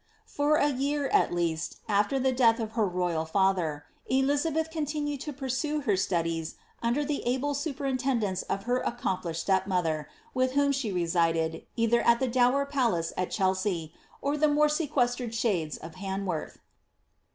For a year, at least, after the death of her royal father, Elizabeth con tiooed to pursue her studies under the able superintendence of her ac complished stepmother, with whom she resided, either at the dower palace at Chelsea, or the more sequestered shades of Han worth.